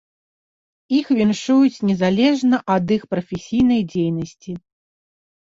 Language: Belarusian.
Іх віншуюць незалежна ад іх прафесійнай дзейнасці.